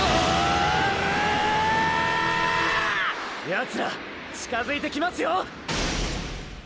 ヤツら近づいてきますよォ！！